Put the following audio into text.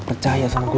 percaya sama gue